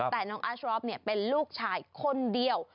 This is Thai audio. แต่น้องอาชรอฟเป็นลูกชายคนเดียว